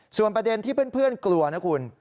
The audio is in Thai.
ส่วนประเด็นที่เพื่อนกลัวนะคุณ